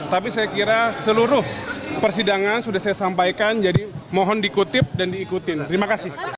tapi saya kira seluruh persidangan sudah saya sampaikan jadi mohon dikutip dan diikutin terima kasih